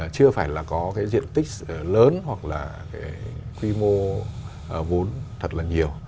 chưa phải là có cái diện tích lớn hoặc là cái quy mô vốn thật là nhiều